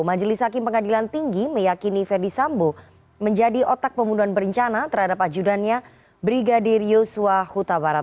majelis hakim pengadilan tinggi meyakini verdi sambo menjadi otak pembunuhan berencana terhadap ajudannya brigadir yosua huta barat